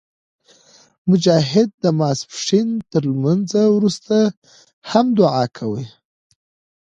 مجاهد د ماسپښین تر لمونځه وروسته هم دعا کوي.